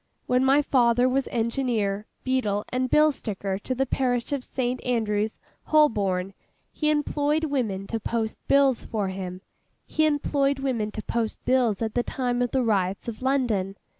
When my father was Engineer, Beadle, and Bill Sticker to the parish of St. Andrew's, Holborn, he employed women to post bills for him. He employed women to post bills at the time of the riots of London.